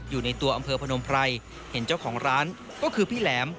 อยู่ในตัวอำเภอพนมไพรเห็นเจ้าของร้านก็คือพี่แหลม